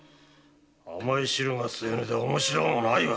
甘い汁が吸えぬでは面白うないわ。